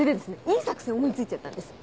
いい作戦思い付いちゃったんです。